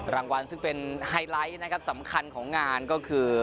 รางวัลซึ่งเป็นไฮไลท์นะครับสำคัญของงานก็คือ